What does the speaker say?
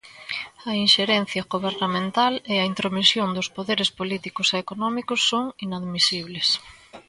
A inxerencia gobernamental e a intromisión dos poderes políticos e económicos son inadmisibles.